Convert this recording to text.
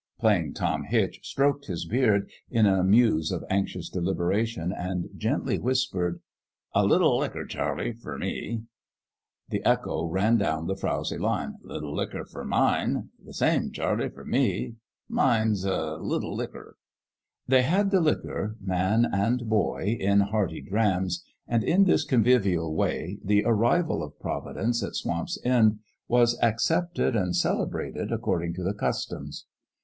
Plain Tom Hitch stroked his beard, in a muse of anxious deliberation, and gently whispered :" A liT licker, Charlie fer me." The echo ran down the frowzy line: "A liT licker fer mine." " The same, Charlie, fer me." " Mine's a liT licker." They had the liquor, man and boy, in hearty drams, and in this convivial way the arrival of 7 'he STRANGER at SWAMP'S END 17 Providence at Swamp's End was accepted and celebrated according to the customs.